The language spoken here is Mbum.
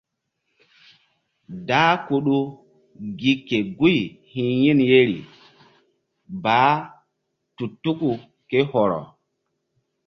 Dah Kudu gi ke guy hi̧ yin yeri baah tu tuku ké hɔrɔ.